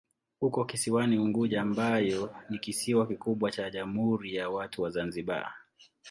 Uko kisiwani Unguja ambayo ni kisiwa kikubwa cha Jamhuri ya Watu wa Zanzibar.